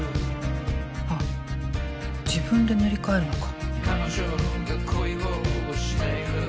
［あっ自分で塗り替えるのか］